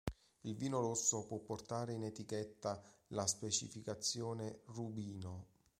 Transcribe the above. Il vino rosso può portare in etichetta la specificazione "rubino".